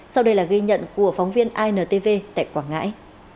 sau đây là ghi nhận của phóng viên intv tại quảng ngãi